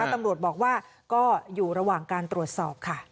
ตำรวจบอกว่าก็อยู่ระหว่างการตรวจสอบค่ะ